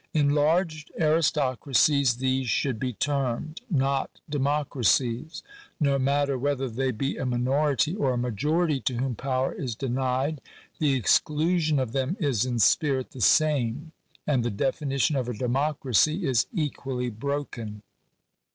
Enlarged aristocracies these should be termed ; not democracies. No matter whether they be a minority or a majority to whom power is denied; the exclusion of them is in spirit the same, and the definition of a democracy is equally broken.